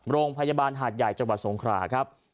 โรงพยาบาลหาดใหญ่จังหวัดสงคราครับ